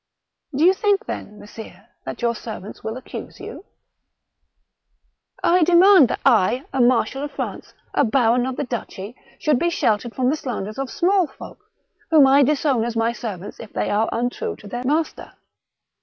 "Do you think then, messire, that your servants will accuse you ?"" I demand that I, a marshal of France, a baron of the duchy, should be sheltered from the slanders of small folk, whom I disown as my servants if they are untrue to their master."